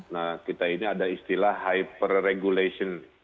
nah kita ini ada istilah hyper regulation